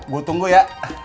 gua tunggu ya